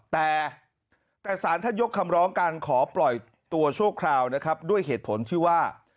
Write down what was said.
แต่แต่สารท่านยกคำร้องการขอปล่อยตัวชั่วคราวนะครับด้วยเหตุผลที่ว่า